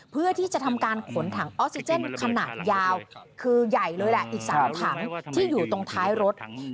เพื่อที่จะทำการขนถังออกซิเจนขนาดยาวคือใหญ่เลยแหละอีก๓ถังที่อยู่ตรงท้ายรถ